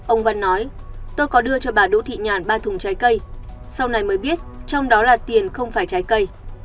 ông văn nói tôi có đưa cho bà đỗ thị nhàn ba thùng trái cây sau này mới biết trong đó là tiền không phải trái cây